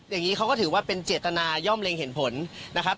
อย่างนี้เขาก็ถือว่าเป็นเจตนาย่อมเล็งเห็นผลนะครับ